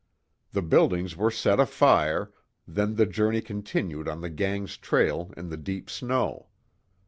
The buildings were set afire, then the journey continued on the gang's trail, in the deep snow.